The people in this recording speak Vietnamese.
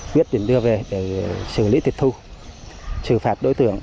quyết định đưa về để xử lý tiệt thu trừ phạt đối tượng